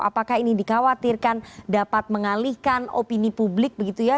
apakah ini dikhawatirkan dapat mengalihkan opini publik begitu ya